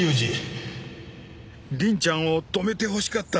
凛ちゃんを止めてほしかった。